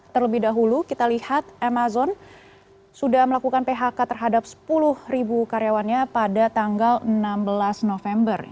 terlebih dahulu kita lihat amazon sudah melakukan phk terhadap sepuluh karyawannya pada tanggal enam belas november